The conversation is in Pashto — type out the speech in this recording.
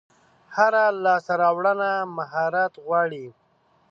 هره لاسته راوړنه مهارت غواړي.